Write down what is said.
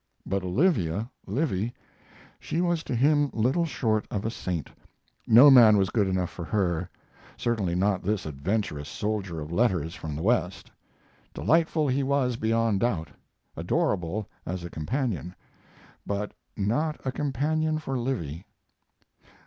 But Olivia Livy she was to him little short of a saint. No man was good enough for her, certainly not this adventurous soldier of letters from the West. Delightful he was beyond doubt, adorable as a companion, but not a companion for Livy.